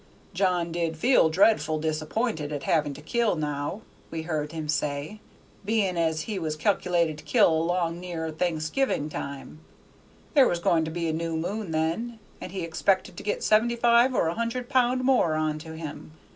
"John did feel dreadful disappointed at having to kill now," we heard him say, "bein' as he had calc'lated to kill along near Thanksgivin' time; there was goin' to be a new moon then, and he expected to get seventy five or a hundred pound more on to him.